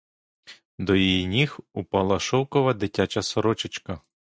До її ніг упала шовкова дитяча сорочечка.